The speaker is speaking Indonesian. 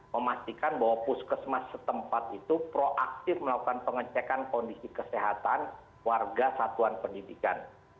memastikan bahwa puskesmas setempat itu proaktif melakukan pengecekan kondisi kesehatan warga satuan pendidikan